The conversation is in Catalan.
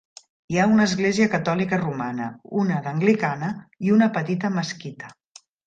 Hi ha una església catòlica romana, un d'anglicana i una petita mesquita.